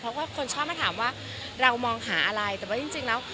เพราะว่าคนชอบมาถามว่าเรามองหาอะไรแต่ว่าจริงแล้ว